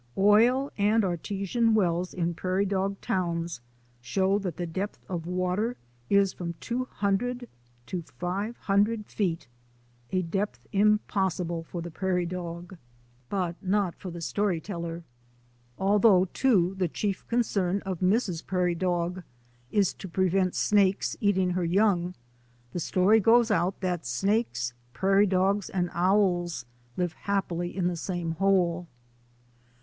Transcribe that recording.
Oil and artesian wells in prairie dog towns show that the depth to water is from two hundred to five hundred feet, a depth impossible for the prairie dog, but not for the story teller. Although, too, the chief concern of Mrs. Prairie Dog is to prevent snakes eating her young, the story goes out that snakes, prairie dogs, and owls live happily in the same hole.